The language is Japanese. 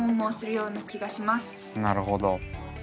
なるほど。